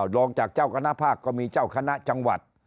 รองจากเจ้าคณะภาคก็มีเจ้าคณะจังหวัด